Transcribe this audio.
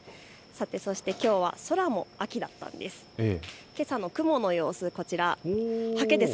きょうは空も秋だったんです。